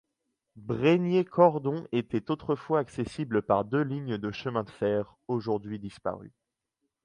Brégnier-Cordon était autrefois accessible par deux lignes de chemin de fer, aujourd'hui disparues.